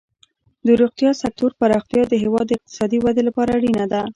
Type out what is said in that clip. د روغتیا سکتور پراختیا د هیواد د اقتصادي ودې لپاره اړینه ده.